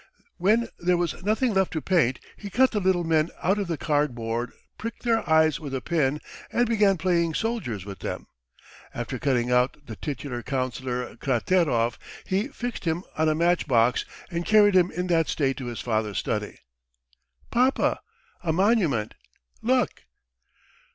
When there was nothing left to paint he cut the little men out of the card board, pricked their eyes with a pin, and began playing soldiers with them. After cutting out the titular councillor Kraterov, he fixed him on a match box and carried him in that state to his father's study. "Papa, a monument, look!"